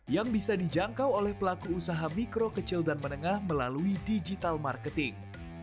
yang bisa dijangkau oleh pelaku usaha mikro kecil dan menengah melalui digital marketing